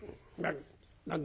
何だ？